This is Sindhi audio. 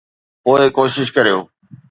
پوء ڪوشش ڪريو